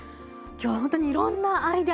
今日は本当にいろんなアイデア